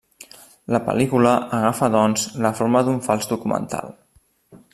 La pel·lícula agafa doncs la forma d'un fals documental.